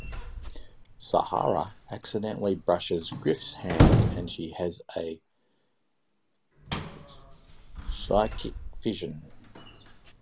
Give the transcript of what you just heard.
Sahara accidentally brushes Griff's hand and she has a psychic vision.